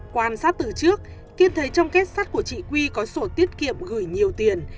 quan sát từ trước kiên thấy trong kết sắt của chị quy có sổ tiết kiệm gửi nhiều tiền